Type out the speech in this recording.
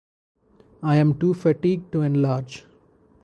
I am too fatigued to enlarge.